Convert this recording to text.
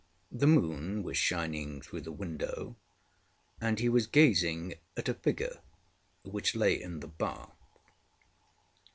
The moon was shining through the window, and he was gazing at a figure which lay in the bath.